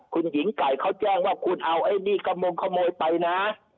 คุณหญิงไก่เขาแจ้งว่าคุณเอาไอ้นี่ขมงขโมยไปนะ